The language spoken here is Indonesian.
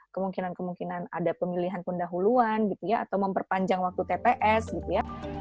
kemungkinan kemungkinan ada pemilihan pendahuluan gitu ya atau memperpanjang waktu tps gitu ya